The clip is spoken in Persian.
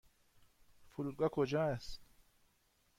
فرودگاه کجا است؟